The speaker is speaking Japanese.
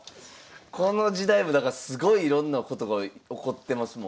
この時代もだからすごいいろんなことが起こってますもんね。